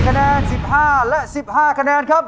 คะแนน๑๕และ๑๕คะแนนครับ